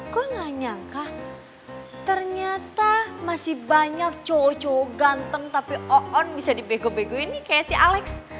gue gak nyangka ternyata masih banyak cowok cowok ganteng tapi on bisa dibego begoin nih kayak si alex